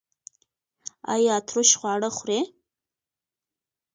ایا ترش خواړه خورئ؟